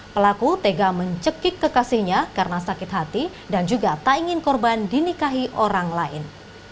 pelaku tega mencekik kekasihnya karena sakit hati dan juga tak ingin korban dinikahi orang lain